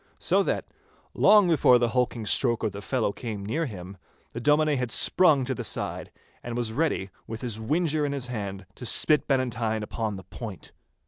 So that, long before the hulking stroke of the fellow came near him, the Dominie had sprung to the side, and was ready, with his whinger in his hand, to spit Bannatyne upon the point.